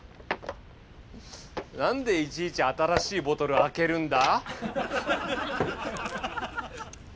何でいちいち新しいボトルを開けるんだ？